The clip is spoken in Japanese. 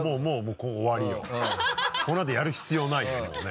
このあとやる必要ないよもうね。